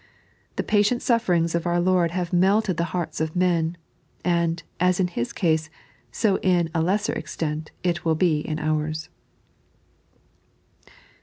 The patient sufferings of our Lord have melted the hearts of men ; and, as in His case, so in a lesser extent it will be in ours.